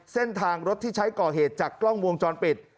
เส้นทางรถที่ใช้ก่อเหตุจากกล้องวงจรปิด